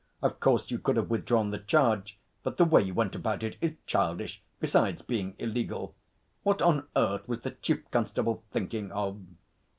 Of course, you could have withdrawn the charge, but the way you went about it is childish besides being illegal. What on earth was the Chief Constable thinking of?'